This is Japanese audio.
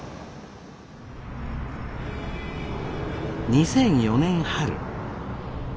２００４年春。